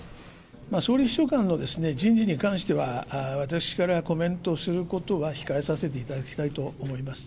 総理秘書官のですね、人事に関しては、私からコメントすることは控えさせていただきたいと思います。